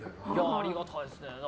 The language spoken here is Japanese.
ありがたいですね。